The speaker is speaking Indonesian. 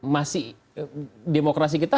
masih demokrasi kita